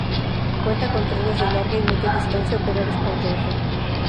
Cuenta con trenes de larga y media distancia operados por Renfe.